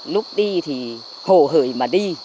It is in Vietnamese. lúc đi thì hổ hởi mà đi